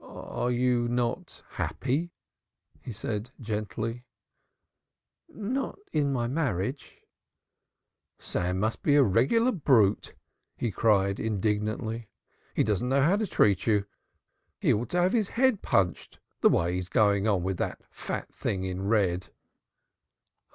"Are you not happy?" he said gently. "Not in my marriage." "Sam must be a regular brute!" he cried indignantly. "He doesn't know how to treat you. He ought to have his head punched the way he's going on with that fat thing in red."